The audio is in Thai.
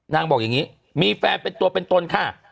บอกอย่างนี้มีแฟนเป็นตัวเป็นตนค่ะ